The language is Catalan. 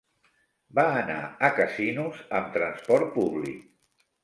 Va anar a Casinos amb transport públic.